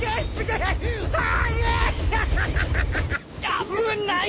危ない！